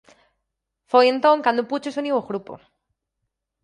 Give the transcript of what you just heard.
Foi entón cando Pucho se uniu ao grupo.